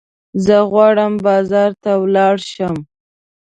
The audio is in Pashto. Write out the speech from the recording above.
زه غواړم بازار ته ولاړ شم.